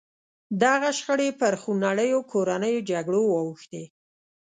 دغه شخړې پر خونړیو کورنیو جګړو واوښتې.